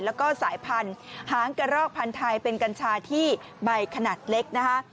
แล้วก็สายพันธุ์หางกระรอกพันธ์ไทยเป็นกัญชาที่ใบขนาดเล็กนะคะ